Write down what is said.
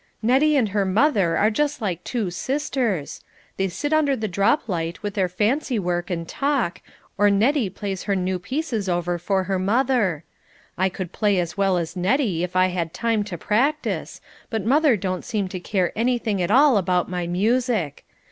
Nettie and her mother are just like two sisters. They sit under the drop light with their fancy work and talk, or Nettie plays her new pieces over for her mother. I could play as well as Nettie if I had time to practice, but mother don't seem to care anything at all about my music.